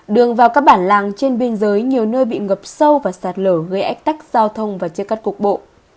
đường vào các bản làng trên biên giới nhiều nơi bị ngập sâu và sạt lở gây ách tắc giao thông và chia cắt cục bộ